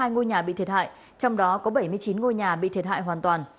sáu trăm bốn mươi hai ngôi nhà bị thiệt hại trong đó có bảy mươi chín ngôi nhà bị thiệt hại hoàn toàn